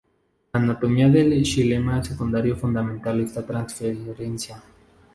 La anatomía del xilema secundario fundamenta esta transferencia.